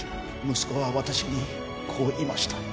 息子は私にこう言いました。